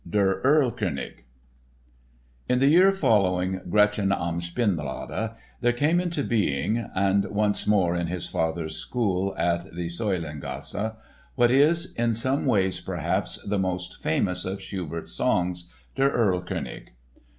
Der Erlkönig In the year following Gretchen am Spinnrade there came into being (and once more in his father's school in the Säulengasse) what is, in some ways perhaps, the most famous of Schubert's songs—Der Erlkönig.